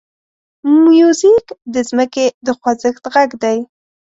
موزیک د ځمکې د خوځښت غږ دی.